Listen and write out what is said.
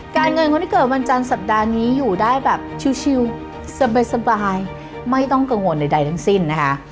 เงินคนที่เกิดวันจันทร์สัปดาห์นี้อยู่ได้แบบชิลสบายไม่ต้องกังวลใดทั้งสิ้นนะคะ